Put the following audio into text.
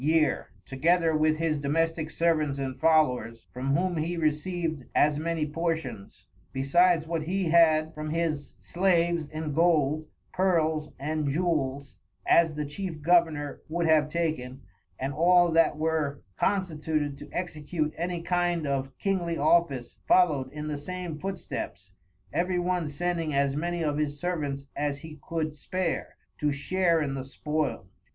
Year, together with his Domestick Servants and Followers, from whom he received as many Portions, besides what he had from his Slaves in Gold, Pearls, and Jewels, as the Chief Governor would have taken, and all that were constituted to execute any kind of Kingly Office followed in the same Footsteps; every one sending as many of his Servants as he could spare, to share in the spoil.